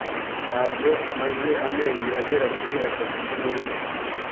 Ntabwo maze amezi agera kuri atatu ntamubona.